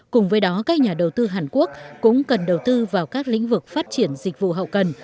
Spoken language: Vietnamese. cùng với đó các nhà đầu tư hàn quốc cũng cần đầu tư vào các lĩnh vực phát triển dịch vụ hậu cần